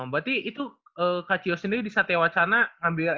berarti itu kak chiyo sendiri di satya wacana ngambil